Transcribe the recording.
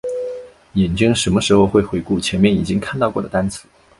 眼睛什么时候会回顾前面已经看到过的单词？